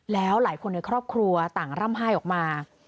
แล้วหลายคนในครอบครัวต่างร่ำไห้ออกมา